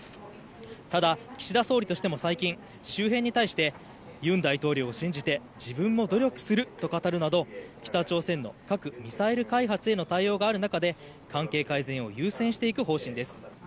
ただ、岸田総理としても最近、周辺に対して尹大統領を信じて自分も努力すると語るなど北朝鮮の核・ミサイル開発への対応がある中で関係改善を優先していく方針です。